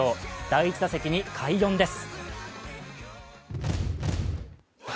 第１打席に快音です。